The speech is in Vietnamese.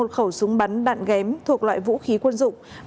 một khẩu súng bắn đạn ghém thuộc loại vũ khí quân dụng